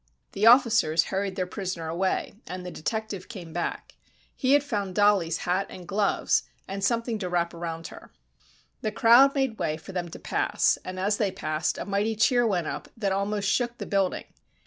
The officers hurried their prisoner away and the detective came back. He had found Dollie's hat and gloves and something to wrap around her. The crowd made way for them to pass, and as they passed a mighty cheer went up that almost shook the building.